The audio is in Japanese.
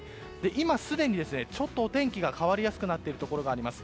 今、すでにちょっとお天気が変わりやすくなっているところがあります。